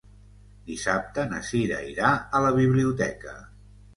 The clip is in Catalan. Dissabte na Sira irà a la biblioteca.